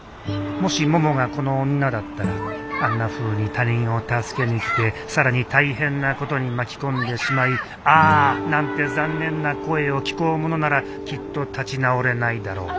もしももがこの女だったらあんなふうに他人を助けに来て更に大変なことに巻き込んでしまい「ああ」なんて残念な声を聞こうものならきっと立ち直れないだろう